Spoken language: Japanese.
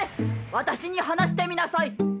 私に話してみなさい。